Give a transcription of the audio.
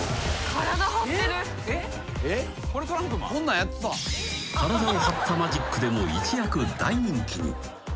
［体を張ったマジックでも一躍大人気に］